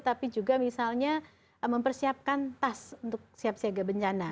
tapi juga misalnya mempersiapkan tas untuk siap siaga bencana